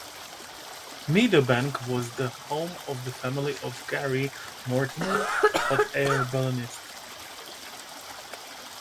Meadowbank was the home of the family of Gary Mortimer, hot air balloonist.